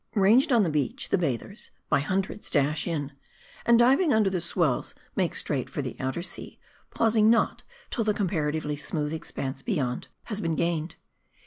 Ranged on the beach, the bathers, by hundreds dash in ; and diving under the swells, make straight for the outer sea, pausing not till the comparatively smooth expanse beyond has been gained.